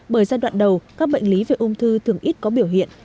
bởi giai đoạn đầu các bệnh lý về ung thư thường ít có biểu hiện